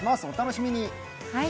お楽しみに。